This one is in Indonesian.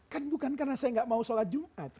kan bukan karena saya nggak mau sholat jumat